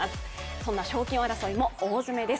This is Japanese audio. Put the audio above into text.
そんな賞金王争いも、大詰めです。